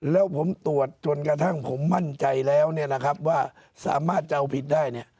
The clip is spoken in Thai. แล้วผมตรวจจนกระทั่งผมมั่นใจแล้วเนี่ยนะครับว่าสามารถจะเอาผิดได้เนี่ย